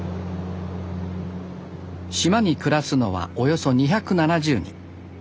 島に暮らすのはおよそ２７０人。